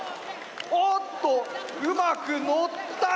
おっとうまくのった！